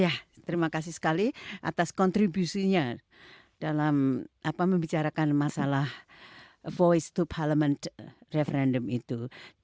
ya terima kasih sekali atas kontribusinya dalam membicarakan masalah voice to parliament referendum itu